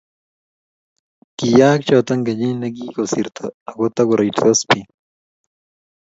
kiyaaka choto kenyit ne kosirtoi aku tuku rirsot biik